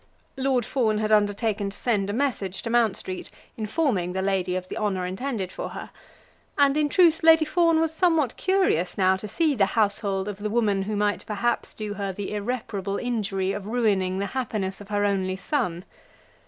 Lord Fawn had undertaken to send a message to Mount Street, informing the lady of the honour intended for her. And in truth Lady Fawn was somewhat curious now to see the household of the woman who might perhaps do her the irreparable injury of ruining the happiness of her only son.